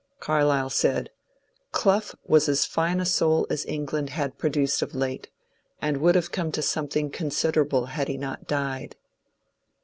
Carlyle said, • Clough was as fine a soul as England had produced of late, and would have come to something consid erable had he not died."